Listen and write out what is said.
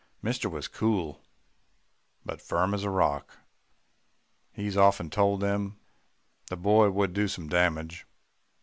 "Mister was cool but firm as a rock he's often told them the boy would do some damage.